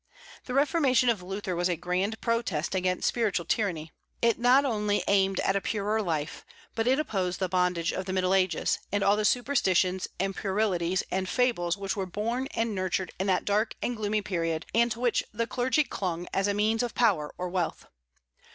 The reformation of Luther was a grand protest against spiritual tyranny. It not only aimed at a purer life, but it opposed the bondage of the Middle Ages, and all the superstitions and puerilities and fables which were born and nurtured in that dark and gloomy period and to which the clergy clung as a means of power or wealth.